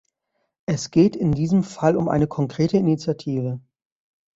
Es geht in diesem Fall um eine konkrete Initiative.